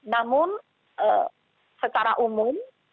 namun secara umum